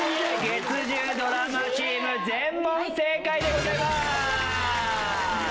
月１０ドラマチーム全問正解でございます。